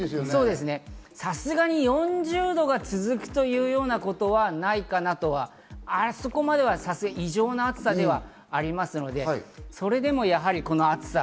さすがに４０度が続くというようなことはないかなとは思いますが、あそこまで異常な暑さではないかと思いますが、それでもこの暑さ。